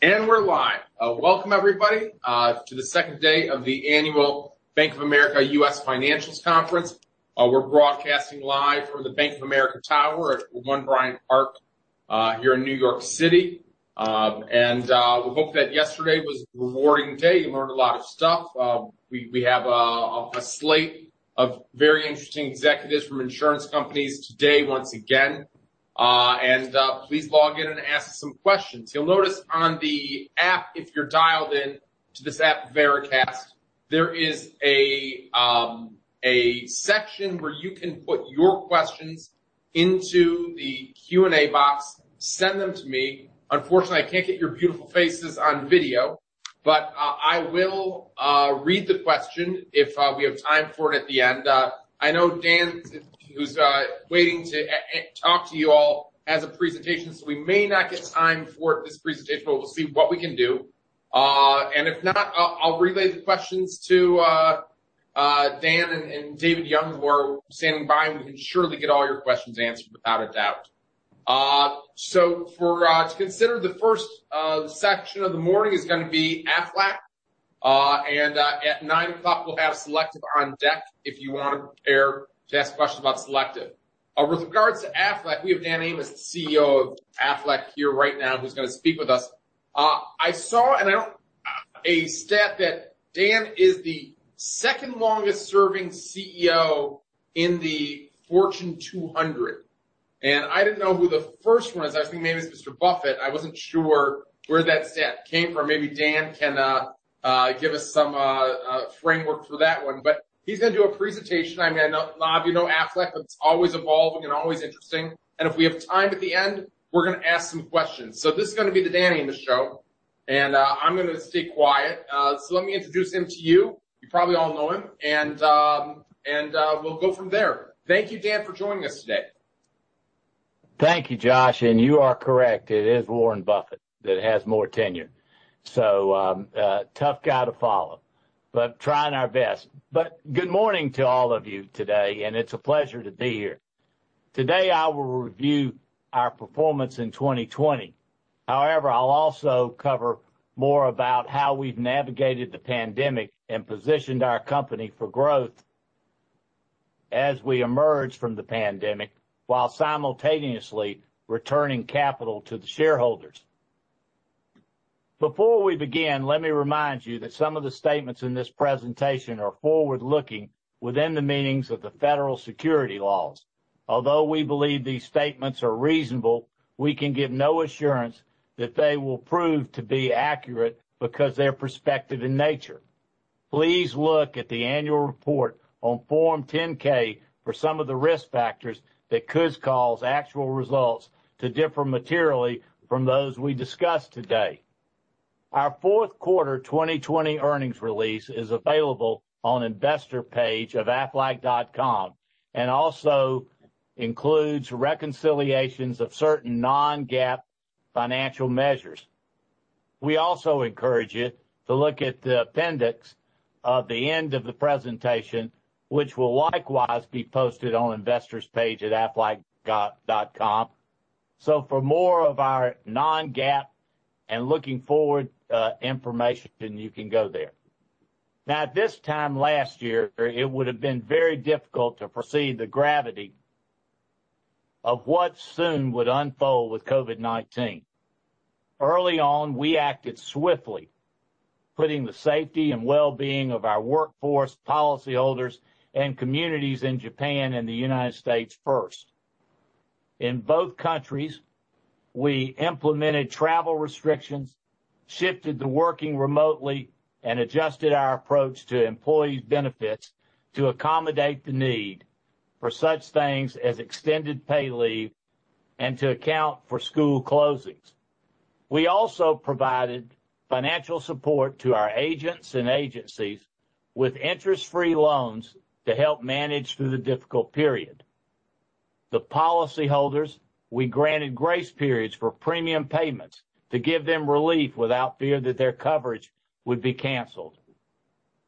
We're live. Welcome, everybody, to the second day of the annual Bank of America U.S. Financials Conference. We're broadcasting live from the Bank of America Tower at One Bryant Park here in New York City. We hope that yesterday was a rewarding day. You learned a lot of stuff. We have a slate of very interesting executives from insurance companies today once again. Please log in and ask some questions. You'll notice on the app, if you're dialed in to this app, Veracast, there is a section where you can put your questions into the Q&A box, send them to me. Unfortunately, I can't get your beautiful faces on video. I will read the question if we have time for it at the end. I know Dan, who's waiting to talk to you all, has a presentation. We may not get time for this presentation, but we'll see what we can do. If not, I'll relay the questions to Dan and David Young, who are standing by, and we can surely get all your questions answered without a doubt. To consider the first section of the morning is going to be Aflac. At 9:00 A.M., we'll have Selective on deck if you want to prepare to ask questions about Selective. With regards to Aflac, we have Dan Amos, the CEO of Aflac, here right now, who's going to speak with us. I saw a stat that Dan is the second longest serving CEO in the Fortune 200. I didn't know who the first one is. I think maybe it's Mr. Buffett. I wasn't sure where that stat came from. Maybe Dan can give us some framework for that one. He's going to do a presentation. A lot of you know Aflac, but it's always evolving and always interesting. If we have time at the end, we're going to ask some questions. This is going to be the Dan Amos show, and I'm going to stay quiet. Let me introduce him to you. You probably all know him, and we'll go from there. Thank you, Dan, for joining us today. Thank you, Josh, and you are correct. It is Warren Buffett that has more tenure. Tough guy to follow, but trying our best. Good morning to all of you today, and it's a pleasure to be here. Today, I will review our performance in 2020. However, I'll also cover more about how we've navigated the pandemic and positioned our company for growth as we emerge from the pandemic, while simultaneously returning capital to the shareholders. Before we begin, let me remind you that some of the statements in this presentation are forward-looking within the meanings of the federal securities laws. Although we believe these statements are reasonable, we can give no assurance that they will prove to be accurate because they are prospective in nature. Please look at the annual report on Form 10-K for some of the risk factors that could cause actual results to differ materially from those we discuss today. Our fourth quarter 2020 earnings release is available on investors page of aflac.com and also includes reconciliations of certain non-GAAP financial measures. We also encourage you to look at the appendix of the end of the presentation, which will likewise be posted on investors page at aflac.com. For more of our non-GAAP and looking forward information, you can go there. At this time last year, it would have been very difficult to foresee the gravity of what soon would unfold with COVID-19. Early on, we acted swiftly, putting the safety and well-being of our workforce, policyholders, and communities in Japan and the U.S. first. In both countries, we implemented travel restrictions, shifted to working remotely, and adjusted our approach to employee benefits to accommodate the need for such things as extended paid leave and to account for school closings. We also provided financial support to our agents and agencies with interest-free loans to help manage through the difficult period. To policyholders, we granted grace periods for premium payments to give them relief without fear that their coverage would be canceled.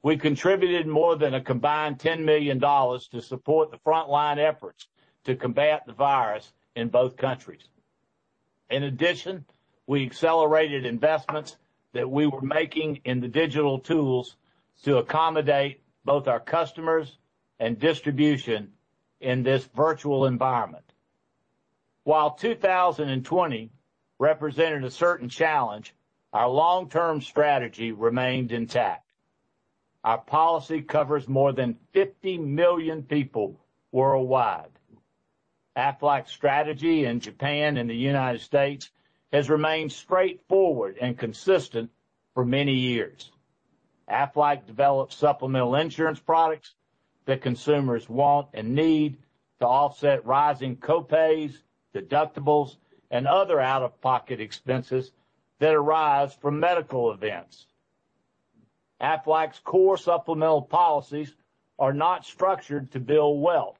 We contributed more than a combined $10 million to support the frontline efforts to combat the virus in both countries. In addition, we accelerated investments that we were making in the digital tools to accommodate both our customers and distribution in this virtual environment. While 2020 represented a certain challenge, our long-term strategy remained intact. Our policy covers more than 50 million people worldwide. Aflac's strategy in Japan and the U.S. has remained straightforward and consistent for many years. Aflac develops supplemental insurance products that consumers want and need to offset rising co-pays, deductibles, and other out-of-pocket expenses that arise from medical events. Aflac's core supplemental policies are not structured to build wealth.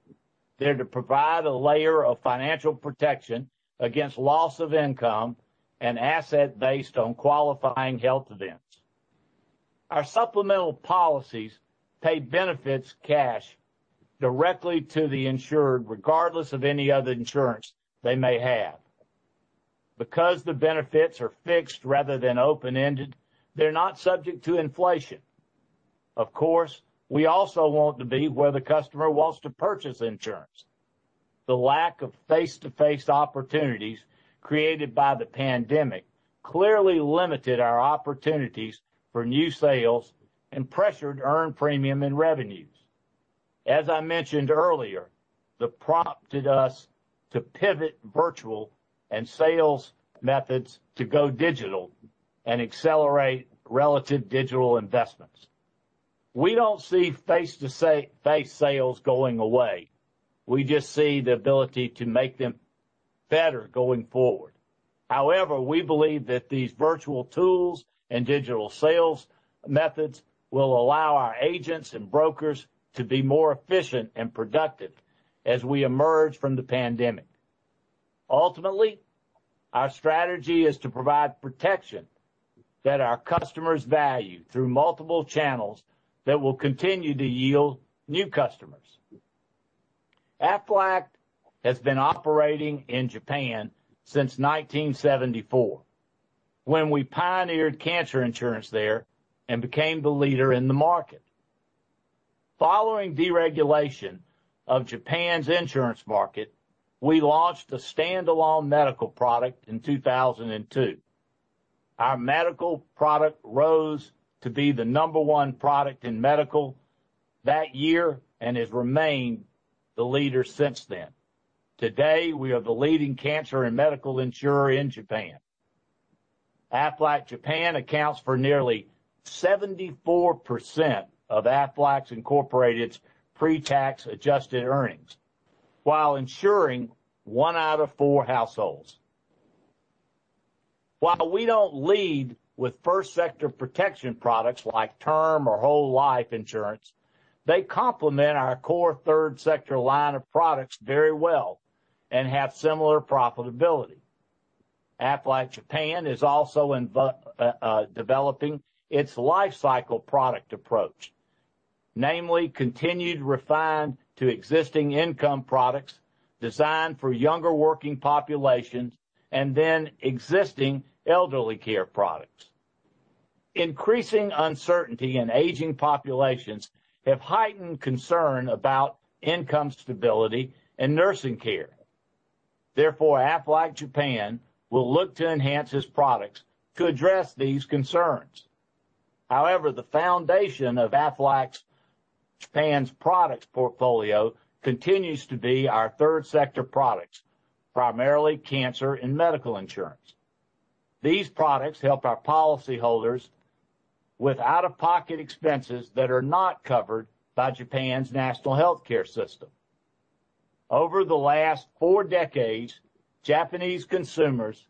They're to provide a layer of financial protection against loss of income and asset based on qualifying health events. Our supplemental policies pay benefits in cash directly to the insured regardless of any other insurance they may have. Because the benefits are fixed rather than open-ended, they're not subject to inflation. Of course, we also want to be where the customer wants to purchase insurance. The lack of face-to-face opportunities created by the pandemic clearly limited our opportunities for new sales and pressured earned premium and revenues. As I mentioned earlier, that prompted us to pivot virtual and sales methods to go digital and accelerate relative digital investments. We don't see face-to-face sales going away. We just see the ability to make them better going forward. However, we believe that these virtual tools and digital sales methods will allow our agents and brokers to be more efficient and productive as we emerge from the pandemic. Ultimately, our strategy is to provide protection that our customers value through multiple channels that will continue to yield new customers. Aflac has been operating in Japan since 1974, when we pioneered cancer insurance there and became the leader in the market. Following deregulation of Japan's insurance market, we launched a standalone medical product in 2002. Our medical product rose to be the number 1 product in medical that year and has remained the leader since then. Today, we are the leading cancer and medical insurer in Japan. Aflac Japan accounts for nearly 74% of Aflac Incorporated's pretax adjusted earnings while insuring one out of four households. While we don't lead with 1st sector protection products like term or whole life insurance, they complement our core 3rd sector line of products very well and have similar profitability. Aflac Japan is also developing its life cycle product approach, namely continued refined to existing income products designed for younger working populations and then existing elderly care products. Increasing uncertainty in aging populations have heightened concern about income stability and nursing care. Therefore, Aflac Japan will look to enhance its products to address these concerns. However, the foundation of Aflac Japan's products portfolio continues to be our 3rd sector products, primarily cancer and medical insurance. These products help our policyholders with out-of-pocket expenses that are not covered by Japan's national healthcare system. Over the last four decades, Japanese consumers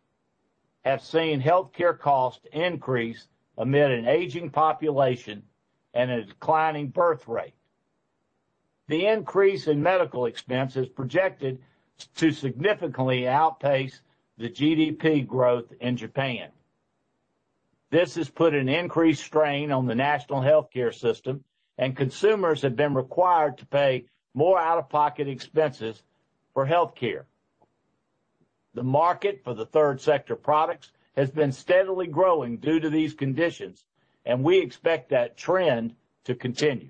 have seen healthcare costs increase amid an aging population and a declining birth rate. The increase in medical expense is projected to significantly outpace the GDP growth in Japan. This has put an increased strain on the national healthcare system, and consumers have been required to pay more out-of-pocket expenses for healthcare. The market for the 3rd sector products has been steadily growing due to these conditions, and we expect that trend to continue.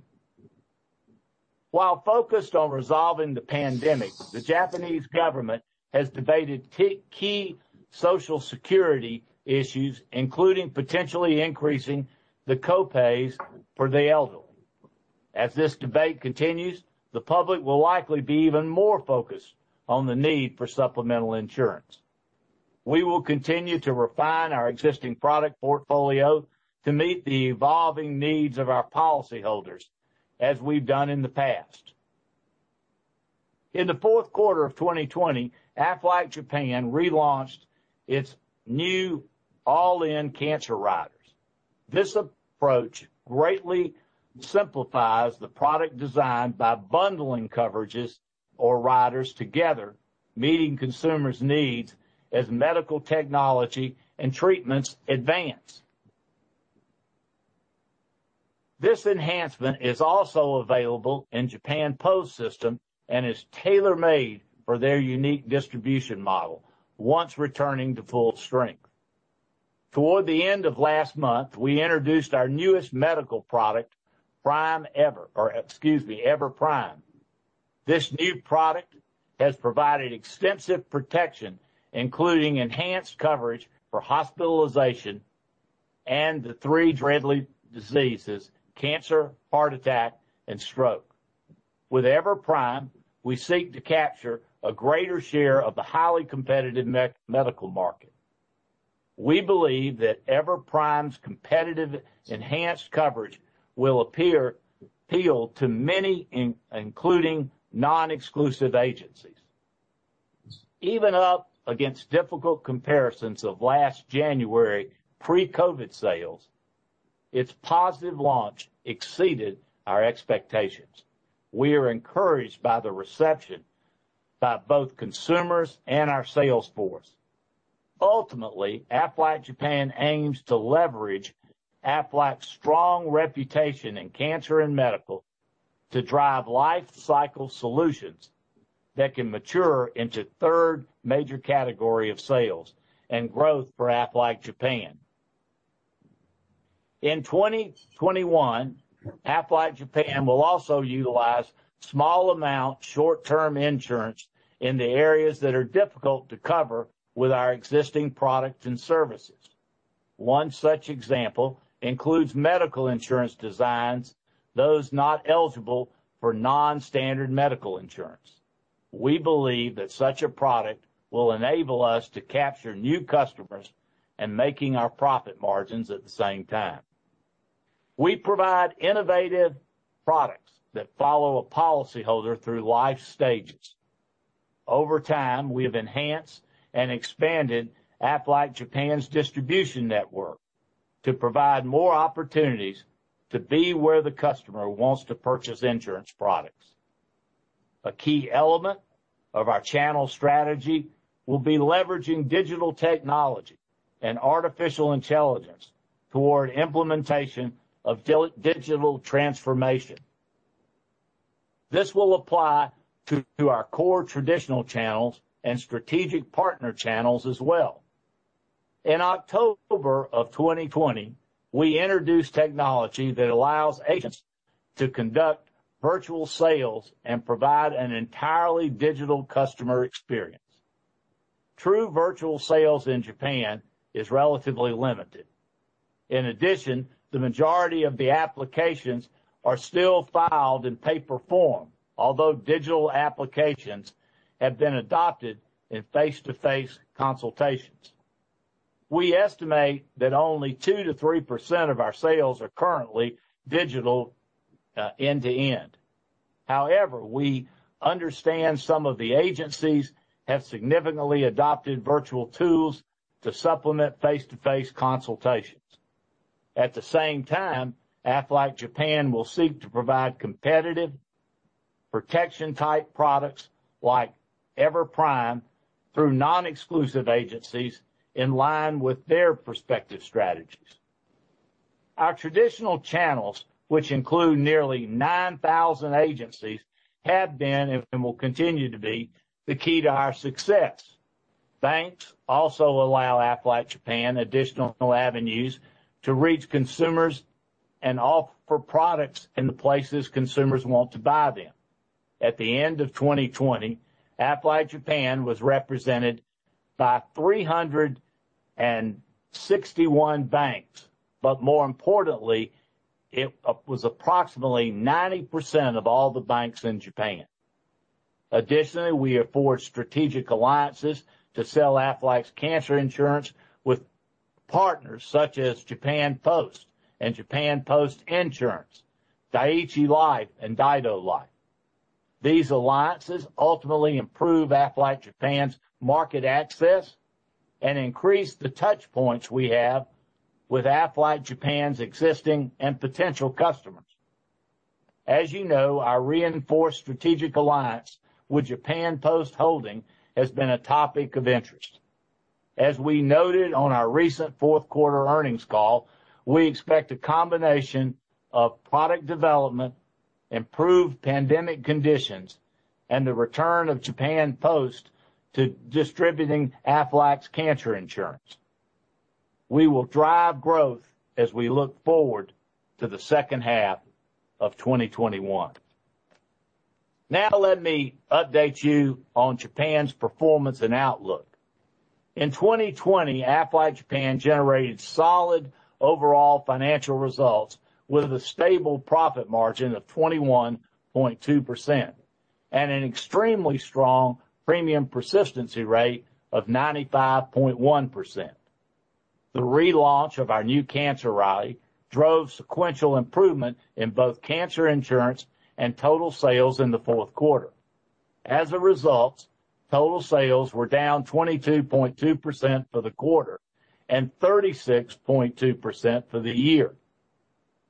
While focused on resolving the pandemic, the Japanese government has debated key Social Security issues, including potentially increasing the co-pays for the elderly. As this debate continues, the public will likely be even more focused on the need for supplemental insurance. We will continue to refine our existing product portfolio to meet the evolving needs of our policyholders, as we've done in the past. In the fourth quarter of 2020, Aflac Japan relaunched its new all-in cancer riders. This approach greatly simplifies the product design by bundling coverages or riders together, meeting consumers' needs as medical technology and treatments advance. This enhancement is also available in Japan Post system and is tailor-made for their unique distribution model once returning to full strength. Toward the end of last month, we introduced our newest medical product, EVER Prime. This new product has provided extensive protection, including enhanced coverage for hospitalization and the three deadly diseases, cancer, heart attack, and stroke. With EVER Prime, we seek to capture a greater share of the highly competitive medical market. We believe that EVER Prime's competitive enhanced coverage will appeal to many, including non-exclusive agencies. Even up against difficult comparisons of last January pre-COVID sales, its positive launch exceeded our expectations. We are encouraged by the reception by both consumers and our sales force. Ultimately, Aflac Japan aims to leverage Aflac's strong reputation in cancer and medical to drive life cycle solutions that can mature into 3rd major category of sales and growth for Aflac Japan. In 2021, Aflac Japan will also utilize small amount short-term insurance in the areas that are difficult to cover with our existing product and services. One such example includes medical insurance designs, those not eligible for non-standard medical insurance. We believe that such a product will enable us to capture new customers and making our profit margins at the same time. We provide innovative products that follow a policyholder through life stages. Over time, we have enhanced and expanded Aflac Japan's distribution network to provide more opportunities to be where the customer wants to purchase insurance products. A key element of our channel strategy will be leveraging digital technology and artificial intelligence toward implementation of digital transformation. This will apply to our core traditional channels and strategic partner channels as well. In October of 2020, we introduced technology that allows agents to conduct virtual sales and provide an entirely digital customer experience. True virtual sales in Japan is relatively limited. The majority of the applications are still filed in paper form, although digital applications have been adopted in face-to-face consultations. We estimate that only 2%-3% of our sales are currently digital, end-to-end. We understand some of the agencies have significantly adopted virtual tools to supplement face-to-face consultations. Aflac Japan will seek to provide competitive protection type products like EVER Prime through non-exclusive agencies in line with their prospective strategies. Our traditional channels, which include nearly 9,000 agencies, have been and will continue to be the key to our success. Banks also allow Aflac Japan additional avenues to reach consumers and offer products in the places consumers want to buy them. At the end of 2020, Aflac Japan was represented by 361 banks. More importantly, it was approximately 90% of all the banks in Japan. We have forged strategic alliances to sell Aflac's cancer insurance with partners such as Japan Post and Japan Post Insurance, Dai-ichi Life, and Daido Life. These alliances ultimately improve Aflac Japan's market access and increase the touch points we have with Aflac Japan's existing and potential customers. As you know, our reinforced strategic alliance with Japan Post Holdings has been a topic of interest. As we noted on our recent fourth quarter earnings call, we expect a combination of product development, improved pandemic conditions, and the return of Japan Post to distributing Aflac's cancer insurance. We will drive growth as we look forward to the second half of 2021. Let me update you on Japan's performance and outlook. In 2020, Aflac Japan generated solid overall financial results with a stable profit margin of 21.2% and an extremely strong premium persistency rate of 95.1%. The relaunch of our new cancer ride drove sequential improvement in both cancer insurance and total sales in the fourth quarter. Total sales were down 22.2% for the quarter and 36.2% for the year.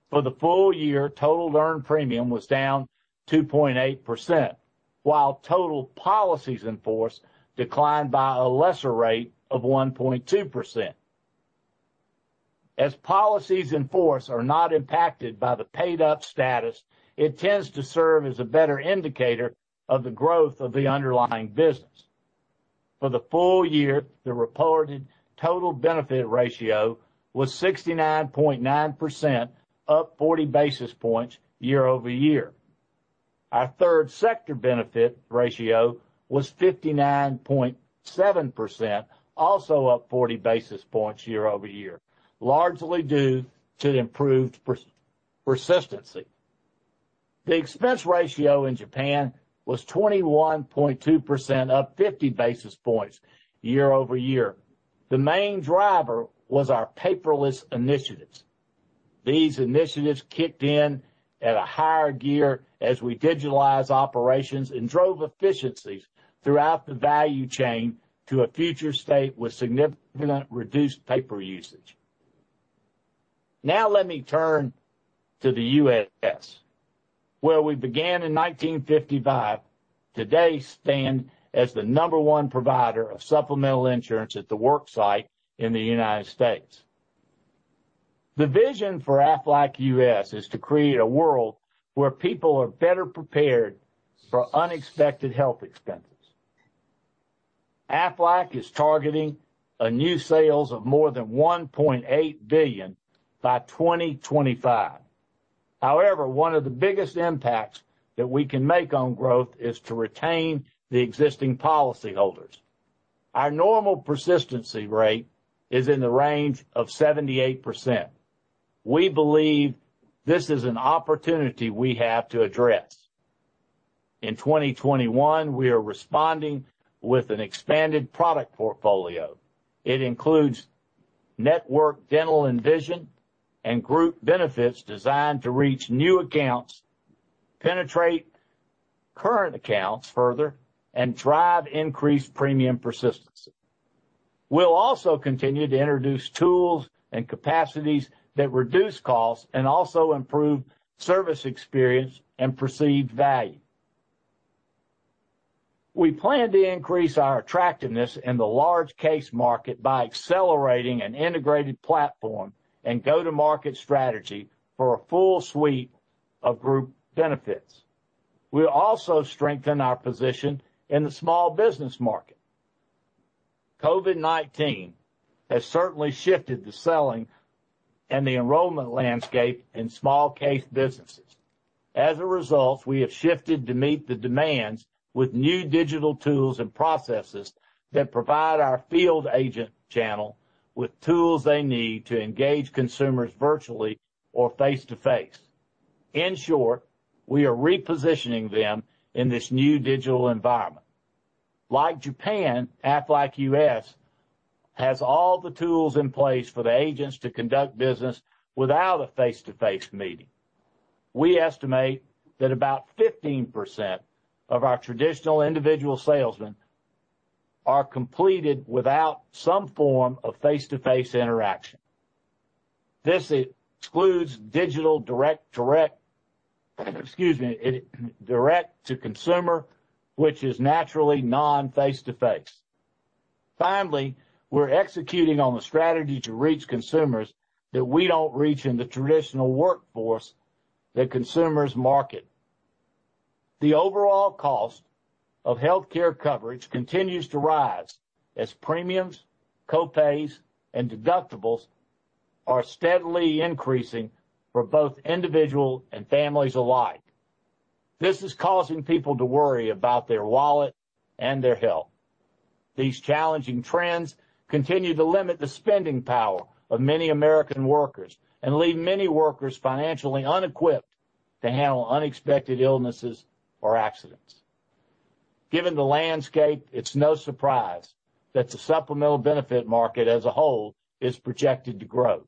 For the full year, total earned premium was down 2.8%, while total policies in force declined by a lesser rate of 1.2%. Policies in force are not impacted by the paid up status, it tends to serve as a better indicator of the growth of the underlying business. For the full year, the reported total benefit ratio was 69.9%, up 40 basis points year-over-year. Our third sector benefit ratio was 59.7%, also up 40 basis points year-over-year, largely due to improved persistency. The expense ratio in Japan was 21.2%, up 50 basis points year-over-year. The main driver was our paperless initiatives. These initiatives kicked in at a higher gear as we digitalized operations and drove efficiencies throughout the value chain to a future state with significant reduced paper usage. Let me turn to the U.S., where we began in 1955, today stand as the number one provider of supplemental insurance at the worksite in the United States. The vision for Aflac U.S. is to create a world where people are better prepared for unexpected health expenses. Aflac is targeting a new sales of more than $1.8 billion by 2025. However, one of the biggest impacts that we can make on growth is to retain the existing policyholders. Our normal persistency rate is in the range of 78%. We believe this is an opportunity we have to address. In 2021, we are responding with an expanded product portfolio. It includes network dental and vision, and group benefits designed to reach new accounts, penetrate current accounts further, and drive increased premium persistency. We'll also continue to introduce tools and capacities that reduce costs and also improve service experience and perceived value. We plan to increase our attractiveness in the large case market by accelerating an integrated platform and go-to-market strategy for a full suite of group benefits. We'll also strengthen our position in the small business market. COVID-19 has certainly shifted the selling and the enrollment landscape in small case businesses. As a result, we have shifted to meet the demands with new digital tools and processes that provide our field agent channel with tools they need to engage consumers virtually or face-to-face. In short, we are repositioning them in this new digital environment. Like Japan, Aflac U.S. has all the tools in place for the agents to conduct business without a face-to-face meeting. We estimate that about 15% of our traditional individual salesmen are completed without some form of face-to-face interaction. This excludes digital direct, excuse me, direct to consumer, which is naturally non-face-to-face. Finally, we're executing on the strategy to reach consumers that we don't reach in the traditional workforce, the consumers market. The overall cost of healthcare coverage continues to rise as premiums, co-pays, and deductibles are steadily increasing for both individual and families alike. This is causing people to worry about their wallet and their health. These challenging trends continue to limit the spending power of many American workers and leave many workers financially unequipped to handle unexpected illnesses or accidents. Given the landscape, it's no surprise that the supplemental benefit market as a whole is projected to grow.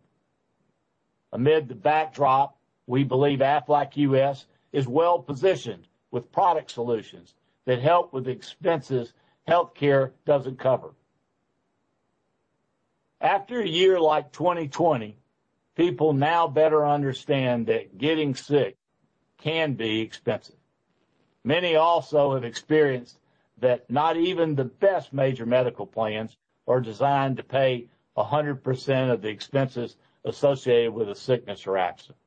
Amid the backdrop, we believe Aflac U.S. is well-positioned with product solutions that help with expenses healthcare doesn't cover. After a year like 2020, people now better understand that getting sick can be expensive. Many also have experienced that not even the best major medical plans are designed to pay 100% of the expenses associated with a sickness or accident.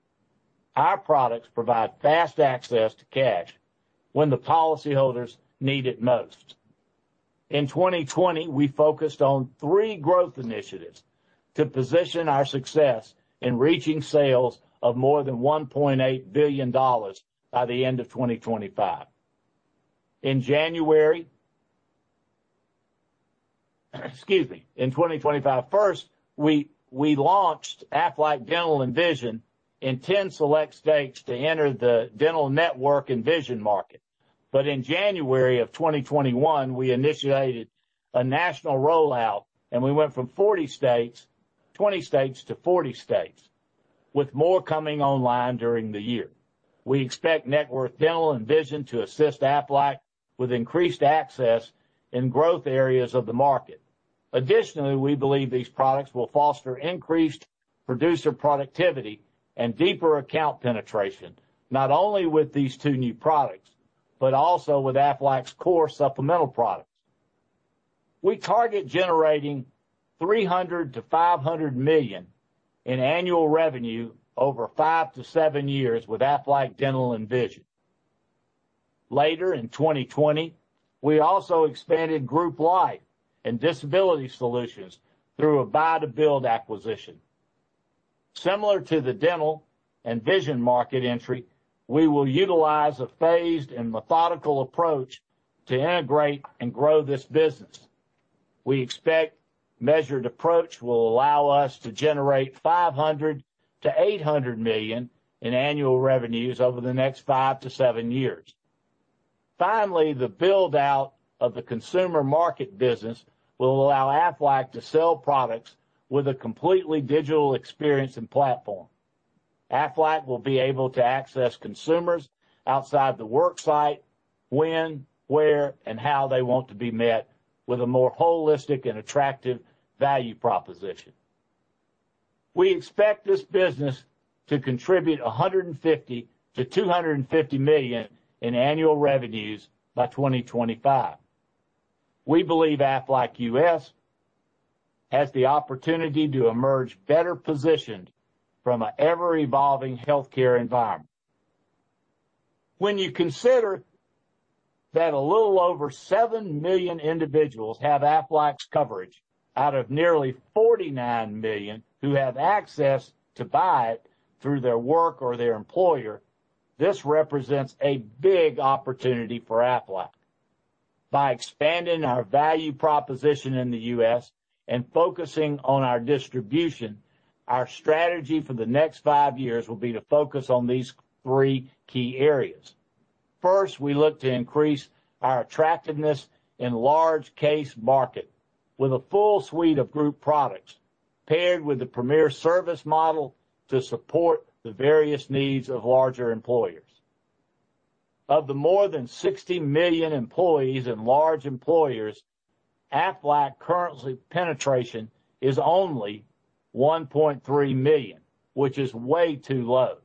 Our products provide fast access to cash when the policyholders need it most. In 2020, we focused on three growth initiatives to position our success in reaching sales of more than $1.8 billion by the end of 2025. In January, excuse me, in 2025. First, we launched Aflac Dental and Vision in 10 select states to enter the dental network and vision market. In January of 2021, we initiated a national rollout, and we went from 20 states to 40 states, with more coming online during the year. We expect network dental and vision to assist Aflac with increased access in growth areas of the market. Additionally, we believe these products will foster increased producer productivity and deeper account penetration, not only with these two new products, but also with Aflac's core supplemental products. We target generating $300 million-$500 million in annual revenue over 5-7 years with Aflac Dental and Vision. Later in 2020, we also expanded group life and disability solutions through a buy to build acquisition. Similar to the Dental and Vision market entry, we will utilize a phased and methodical approach to integrate and grow this business. We expect a measured approach will allow us to generate $500 million-$800 million in annual revenues over the next 5-7 years. Finally, the build-out of the consumer market business will allow Aflac to sell products with a completely digital experience and platform. Aflac will be able to access consumers outside the work site when, where, and how they want to be met with a more holistic and attractive value proposition. We expect this business to contribute $150 million-$250 million in annual revenues by 2025. We believe Aflac U.S. has the opportunity to emerge better positioned from an ever-evolving healthcare environment. When you consider that a little over 7 million individuals have Aflac's coverage out of nearly 49 million who have access to buy it through their work or their employer, this represents a big opportunity for Aflac. By expanding our value proposition in the U.S. and focusing on our distribution, our strategy for the next five years will be to focus on these three key areas. First, we look to increase our attractiveness in large case market with a full suite of group products, paired with the premier service model to support the various needs of larger employers. Of the more than 60 million employees and large employers, Aflac currently penetration is only 1.3 million, which is way too low.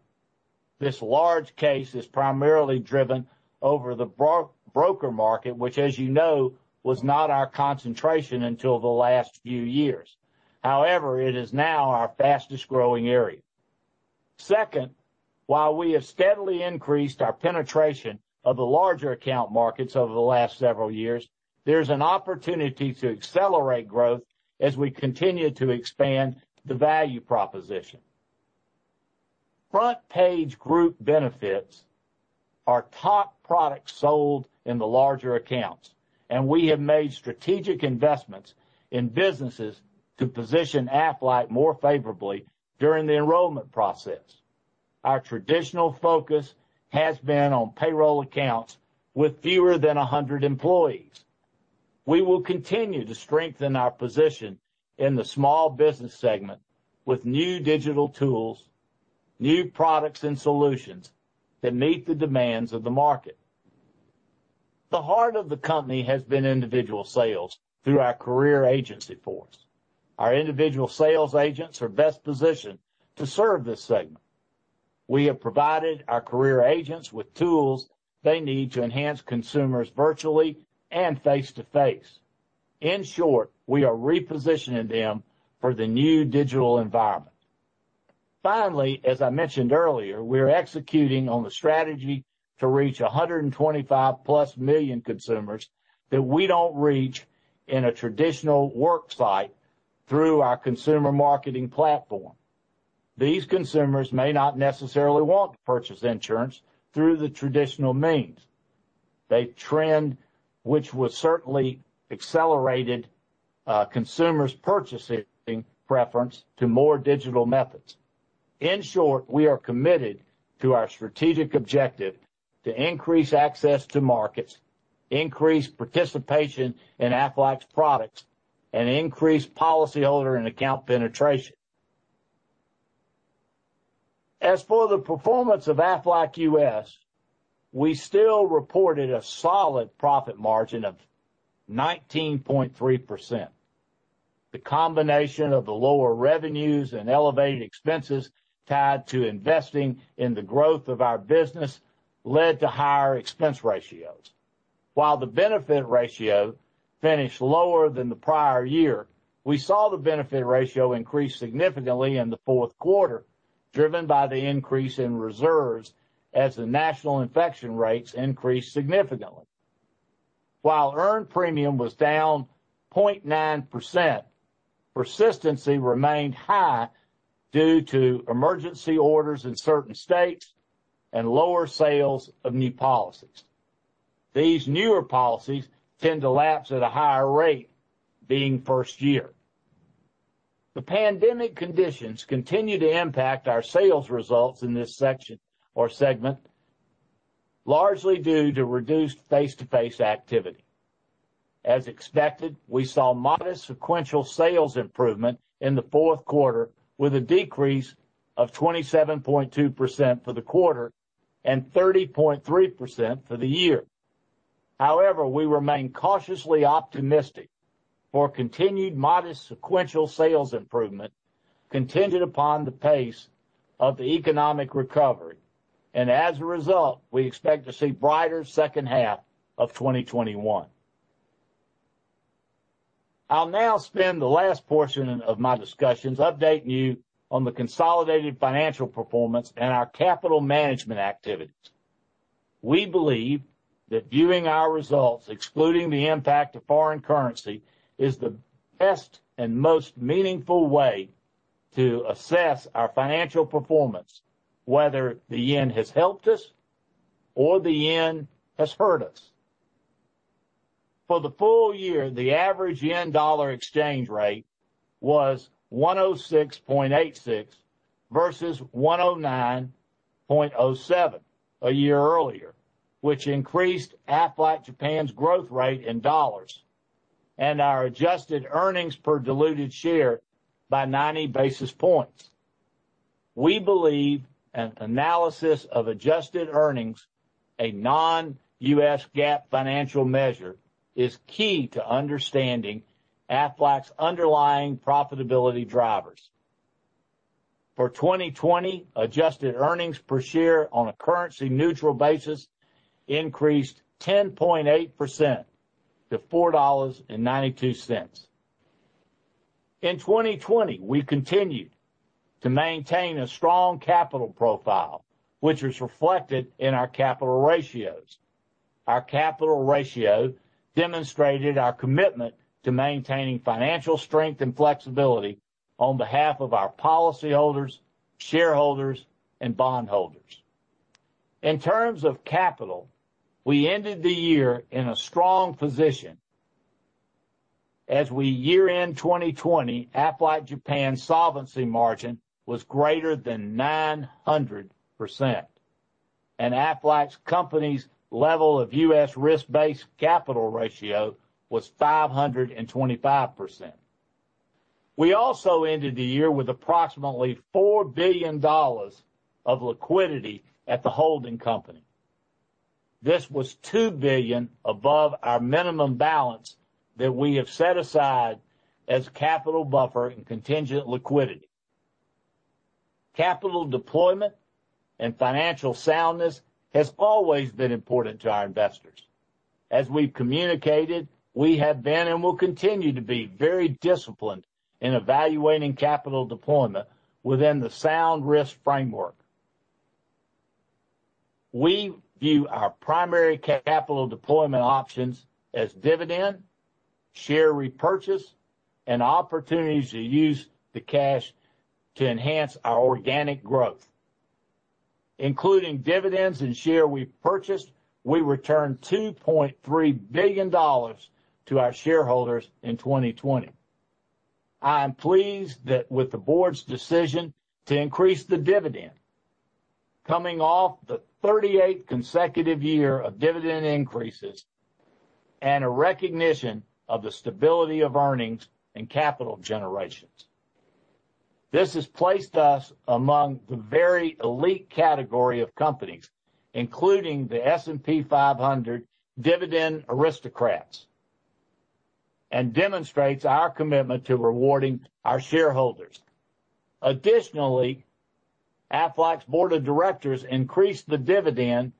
This large case is primarily driven over the broker market, which as you know, was not our concentration until the last few years. However, it is now our fastest growing area. Second, while we have steadily increased our penetration of the larger account markets over the last several years, there's an opportunity to accelerate growth as we continue to expand the value proposition. Front-end group benefits are top products sold in the larger accounts, and we have made strategic investments in businesses to position Aflac more favorably during the enrollment process. Our traditional focus has been on payroll accounts with fewer than 100 employees. We will continue to strengthen our position in the small business segment with new digital tools, new products and solutions that meet the demands of the market. The heart of the company has been individual sales through our career agency force. Our individual sales agents are best positioned to serve this segment. We have provided our career agents with tools they need to enhance consumers virtually and face-to-face. In short, we are repositioning them for the new digital environment. Finally, as I mentioned earlier, we are executing on the strategy to reach 125+ million consumers that we don't reach in a traditional work site through our consumer marketing platform. These consumers may not necessarily want to purchase insurance through the traditional means. A trend which was certainly accelerated consumers' purchasing preference to more digital methods. In short, we are committed to our strategic objective to increase access to markets, increase participation in Aflac's products, and increase policyholder and account penetration. As for the performance of Aflac U.S., we still reported a solid profit margin of 19.3%. The combination of the lower revenues and elevated expenses tied to investing in the growth of our business led to higher expense ratios. While the benefit ratio finished lower than the prior year, we saw the benefit ratio increase significantly in the fourth quarter, driven by the increase in reserves as the national infection rates increased significantly. While earned premium was down 0.9%, persistency remained high due to emergency orders in certain states and lower sales of new policies. These newer policies tend to lapse at a higher rate being first year. The pandemic conditions continue to impact our sales results in this section or segment, largely due to reduced face-to-face activity. As expected, we saw modest sequential sales improvement in the fourth quarter with a decrease of 27.2% for the quarter and 30.3% for the year. However, we remain cautiously optimistic for continued modest sequential sales improvement contingent upon the pace of the economic recovery. As a result, we expect to see brighter second half of 2021. I'll now spend the last portion of my discussions updating you on the consolidated financial performance and our capital management activities. We believe that viewing our results, excluding the impact of foreign currency, is the best and most meaningful way to assess our financial performance, whether the yen has helped us or the yen has hurt us. For the full year, the average yen-dollar exchange rate was 106.86 versus 109.07 a year earlier, which increased Aflac Japan's growth rate in dollars. Our adjusted earnings per diluted share by 90 basis points. We believe an analysis of adjusted earnings, a non-U.S. GAAP financial measure, is key to understanding Aflac's underlying profitability drivers. For 2020, adjusted earnings per share on a currency neutral basis increased 10.8% to $4.92. In 2020, we continued to maintain a strong capital profile, which is reflected in our capital ratios. Our capital ratio demonstrated our commitment to maintaining financial strength and flexibility on behalf of our policyholders, shareholders, and bondholders. In terms of capital, we ended the year in a strong position. As we year-end 2020, Aflac Japan's solvency margin was greater than 900%, and Aflac company's level of U.S. risk-based capital ratio was 525%. We also ended the year with approximately $4 billion of liquidity at the holding company. This was $2 billion above our minimum balance that we have set aside as capital buffer and contingent liquidity. Capital deployment and financial soundness has always been important to our investors. As we've communicated, we have been and will continue to be very disciplined in evaluating capital deployment within the sound risk framework. We view our primary capital deployment options as dividend, share repurchase, and opportunities to use the cash to enhance our organic growth. Including dividends and share repurchase, we returned $2.3 billion to our shareholders in 2020. I am pleased that with the board's decision to increase the dividend, coming off the 38th consecutive year of dividend increases, and a recognition of the stability of earnings and capital generation. This has placed us among the very elite category of companies, including the S&P 500 Dividend Aristocrats, and demonstrates our commitment to rewarding our shareholders. Additionally, Aflac's board of directors increased the dividend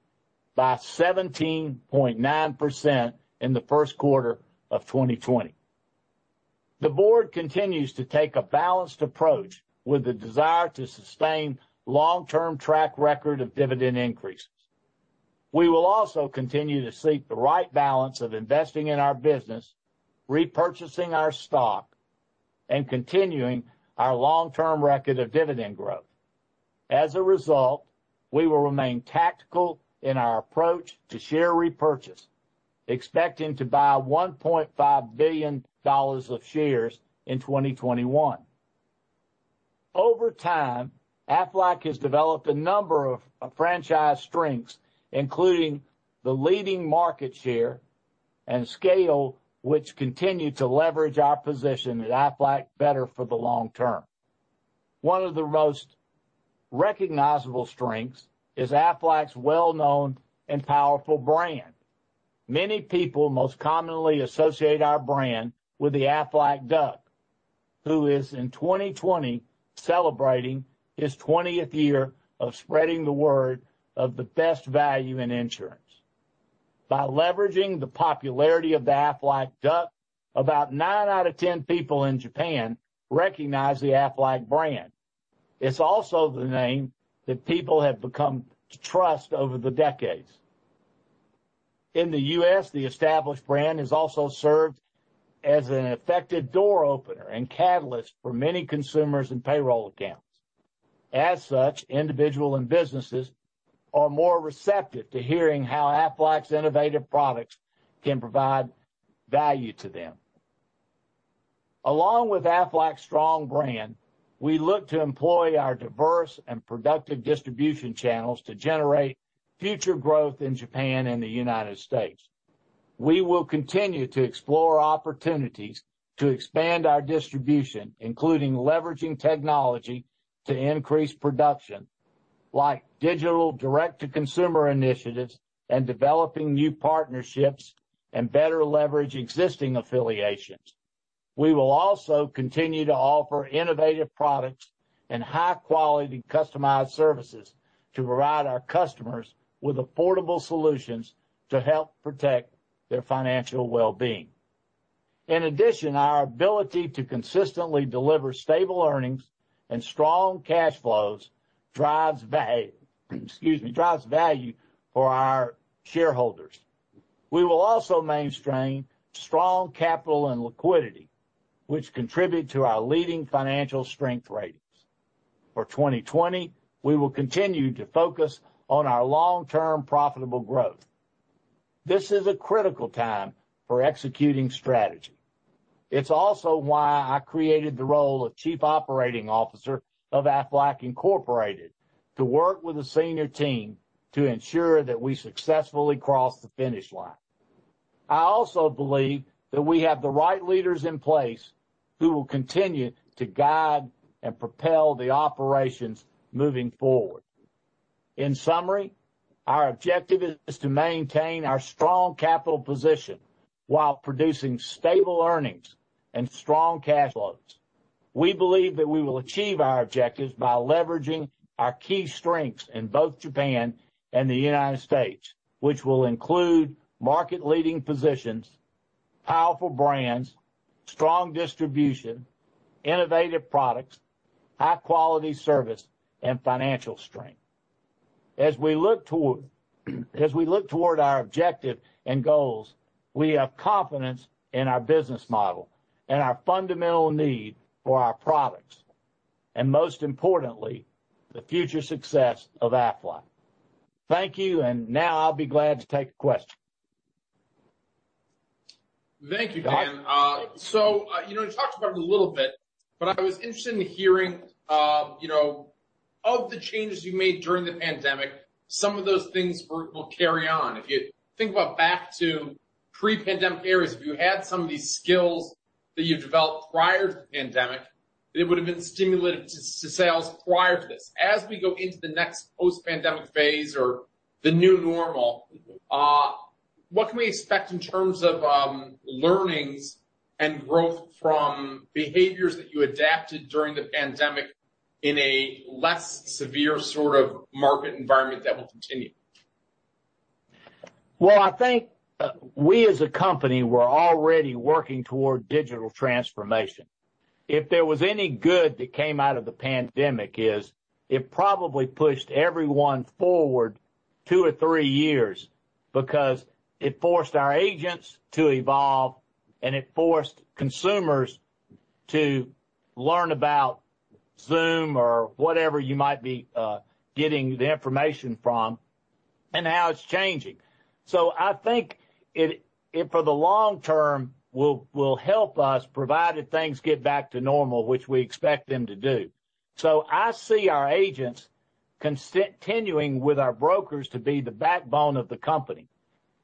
by 17.9% in the first quarter of 2020. The board continues to take a balanced approach with the desire to sustain long-term track record of dividend increases. We will also continue to seek the right balance of investing in our business, repurchasing our stock, and continuing our long-term record of dividend growth. As a result, we will remain tactical in our approach to share repurchase, expecting to buy $1.5 billion of shares in 2021. Over time, Aflac has developed a number of franchise strengths, including the leading market share and scale, which continue to leverage our position at Aflac better for the long term. One of the most recognizable strengths is Aflac's well-known and powerful brand. Many people most commonly associate our brand with the Aflac Duck, who is in 2020 celebrating his 20th year of spreading the word of the best value in insurance. By leveraging the popularity of the Aflac Duck, about nine out of 10 people in Japan recognize the Aflac brand. It's also the name that people have become to trust over the decades. In the U.S., the established brand has also served as an effective door opener and catalyst for many consumers and payroll accounts. As such, individual and businesses are more receptive to hearing how Aflac's innovative products can provide value to them. Along with Aflac's strong brand, we look to employ our diverse and productive distribution channels to generate future growth in Japan and the United States. We will continue to explore opportunities to expand our distribution, including leveraging technology to increase production, like digital direct-to-consumer initiatives and developing new partnerships and better leverage existing affiliations. We will also continue to offer innovative products and high-quality customized services to provide our customers with affordable solutions to help protect their financial well-being. In addition, our ability to consistently deliver stable earnings and strong cash flows drives value for our shareholders. We will also maintain strong capital and liquidity, which contribute to our leading financial strength ratings. For 2020, we will continue to focus on our long-term profitable growth. This is a critical time for executing strategy. It's also why I created the role of Chief Operating Officer of Aflac Incorporated, to work with the senior team to ensure that we successfully cross the finish line. I also believe that we have the right leaders in place who will continue to guide and propel the operations moving forward. In summary, our objective is to maintain our strong capital position while producing stable earnings and strong cash flows. We believe that we will achieve our objectives by leveraging our key strengths in both Japan and the United States, which will include market leading positions, powerful brands, strong distribution, innovative products, high quality service, and financial strength. As we look toward our objective and goals, we have confidence in our business model, in our fundamental need for our products, and most importantly, the future success of Aflac. Thank you, and now I'll be glad to take a question. Thank you, Dan. You talked about it a little bit, but I was interested in hearing of the changes you made during the pandemic, some of those things will carry on. If you think about back to pre-pandemic eras, if you had some of these skills that you developed prior to the pandemic, it would have been stimulative to sales prior to this. As we go into the next post-pandemic phase or the new normal, what can we expect in terms of learnings and growth from behaviors that you adapted during the pandemic in a less severe sort of market environment that will continue? I think we as a company were already working toward digital transformation. If there was any good that came out of the pandemic is, it probably pushed everyone forward two or three years because it forced our agents to evolve and it forced consumers to learn about Zoom or whatever you might be getting the information from, and how it's changing. I think for the long term will help us provided things get back to normal, which we expect them to do. I see our agents continuing with our brokers to be the backbone of the company.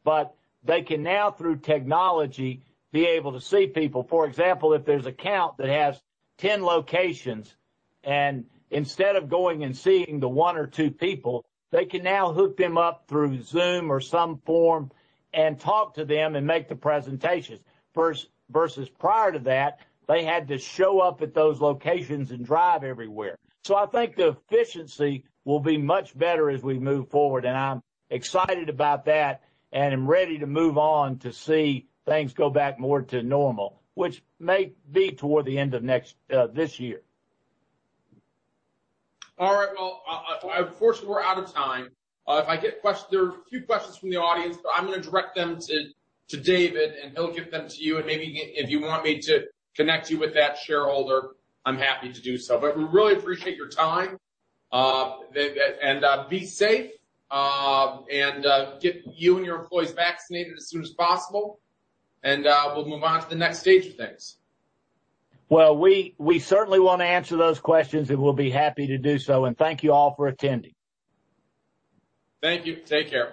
They can now through technology, be able to see people. For example, if there's account that has 10 locations and instead of going and seeing the one or two people, they can now hook them up through Zoom or some form and talk to them and make the presentations. Versus prior to that, they had to show up at those locations and drive everywhere. I think the efficiency will be much better as we move forward, and I'm excited about that, and I'm ready to move on to see things go back more to normal, which may be toward the end of this year. Unfortunately, we're out of time. There are a few questions from the audience, I'm going to direct them to David, and he'll get them to you. Maybe if you want me to connect you with that shareholder, I'm happy to do so. We really appreciate your time. Be safe, and get you and your employees vaccinated as soon as possible. We'll move on to the next stage of things. Well, we certainly want to answer those questions, and we'll be happy to do so, and thank you all for attending. Thank you. Take care.